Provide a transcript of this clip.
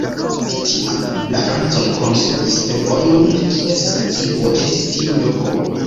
Tiam la francoj konstruis fervojon, kies stacio estis tiu loko.